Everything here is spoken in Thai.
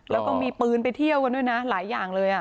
แล้วก็มีปืนไปเที่ยวกันด้วยนะหลายอย่างเลย